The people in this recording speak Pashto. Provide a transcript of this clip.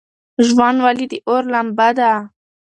ژوند ولې د اور لمبه ده؟